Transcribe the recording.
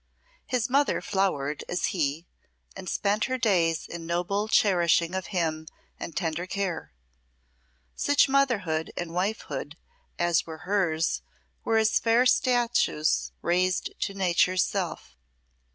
His mother flowered as he, and spent her days in noble cherishing of him and tender care. Such motherhood and wifehood as were hers were as fair statues raised to Nature's self.